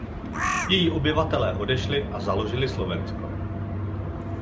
Její obyvatelé odešli a založili Slovensko.